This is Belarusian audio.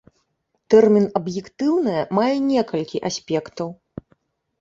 Тэрмін аб'ектыўнае мае некалькі аспектаў.